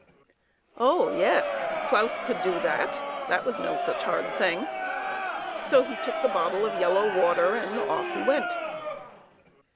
Oh yes, Claus could do that ; that was no such hard thing. So he took the bottle of yellow water and off he went.